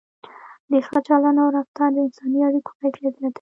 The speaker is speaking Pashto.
د ښه چلند او رفتار د انساني اړیکو کیفیت زیاتوي.